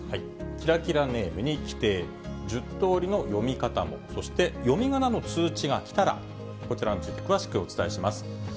キラキラネームに規定、１０通りの読み方も、そして読みがなの通知が来たら、こちらについて詳しくお伝えします。